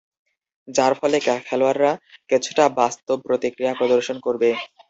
যার ফলে খেলোয়াড়রা কিছুটা বাস্তব প্রতিক্রিয়া প্রদর্শন করবে।